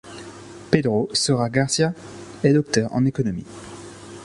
Pedro Saura García est docteur en économie.